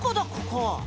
ここ。